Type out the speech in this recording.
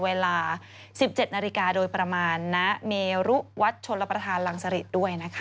เวลา๑๗นาฬิกาโดยประมาณณเมรุวัดชนรับประทานรังสริตด้วยนะคะ